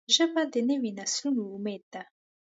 ژبه د نوي نسلونو امید ده